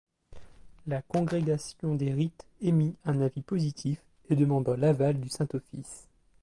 La congrégation des Rites émit un avis positif, et demanda l'aval du Saint-Office.